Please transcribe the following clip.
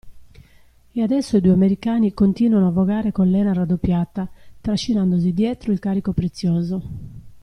E adesso i due americani continuano a vogare con lena raddoppiata, trascinandosi dietro il carico prezioso.